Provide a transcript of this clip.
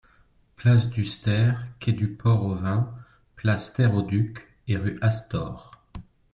Place du Steïr, quai du Port au Vin, place Terre au Duc et rue Astor.